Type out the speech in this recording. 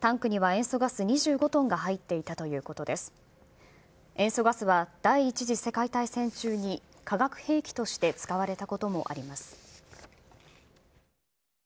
塩素ガスは第１次世界大戦中に化学兵器として使われたこともあります。